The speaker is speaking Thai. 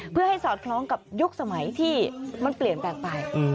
เพื่อให้สอดคล้องกับยุคสมัยที่มันเปลี่ยนแปลงไป